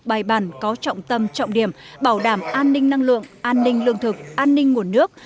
bài bản có trọng tâm trọng điểm bảo đảm an ninh năng lượng an ninh lương thực an ninh nguồn nước